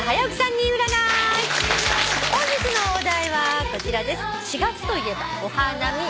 本日のお題はこちらです。